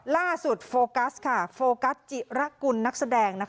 ล่าสุดโฟกัสโฟกัสจิระกุลนักแสดง